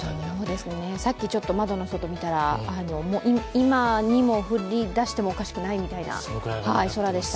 さっき窓の外見たら、今にも降りだしてもおかしくないみたいな空でした。